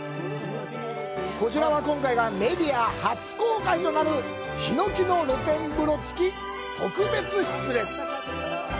こちらは、今回がメディア初公開となる、ヒノキの露天風呂付き特別室です。